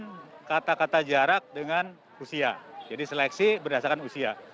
dan kata kata jarak dengan usia jadi seleksi berdasarkan usia